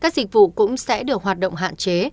dịch vụ cũng sẽ được hoạt động hạn chế